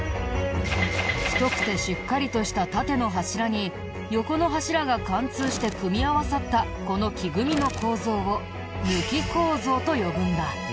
太くてしっかりとした縦の柱に横の柱が貫通して組み合わさったこの木組みの構造を貫構造と呼ぶんだ。